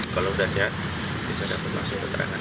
kalau sudah sehat bisa dapat langsung keterangan